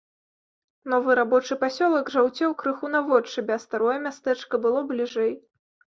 Новы рабочы пасёлак жаўцеў крыху наводшыбе, а старое мястэчка было бліжэй.